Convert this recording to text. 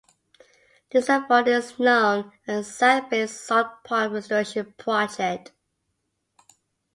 This effort is known as the "South Bay Salt Pond Restoration Project".